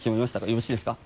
よろしいですか？